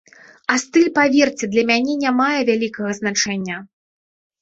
А стыль, паверце, для мяне не мае вялікага значэння.